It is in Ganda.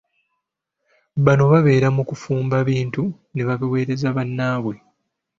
Bano babera mu kufumba bintu ne babiweereza bannabwe.